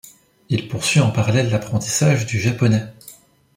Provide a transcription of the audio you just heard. Il poursuit en parallèle l’apprentissage du japonais.